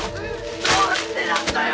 どうしてなんだよ！